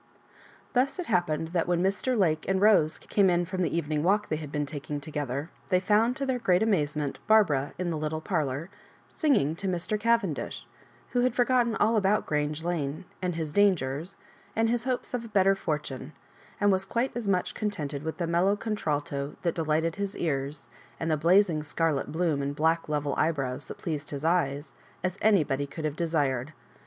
Thus it happened that when Mr. Lake Digitized by VjOOQIC 70 MISS 1CABJ0RIBANK& and Rose came in from the evening walk they bad been taking together, they found, to their great amazement, Barbara in the little parlour, singing to Mr. Cavendish, who had forgotten all about Orange Lane, and his dangers, and his hopes of better fortune, and was quite as much contented with the mellow contralto that de lighted his ears, and the blazing scarlet hloom, and black level brows that pleased his eyes, as anybody could have desired.